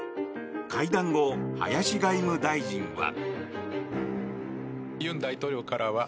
会談後、林外務大臣は。